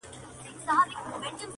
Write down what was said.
گراني رڼا مه كوه مړ به مي كړې~